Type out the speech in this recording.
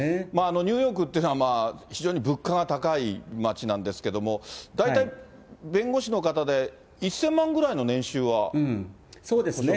ニューヨークっていうのは、非常に物価が高い街なんですけれども、大体、弁護士の方で、そうですね。